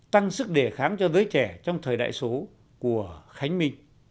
tăng sức đề kháng cho giới trẻ trong thời đại số của khánh minh